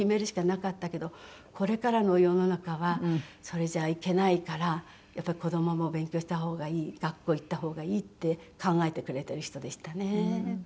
これからの世の中はそれじゃあいけないからやっぱり子供も勉強した方がいい学校行った方がいいって考えてくれている人でしたね。